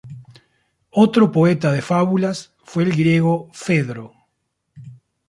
Otro poeta de fábulas fue el griego Fedro.